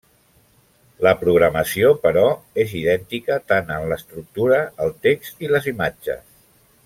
La programació, però, és idèntica, tant en l'estructura, el text i les imatges.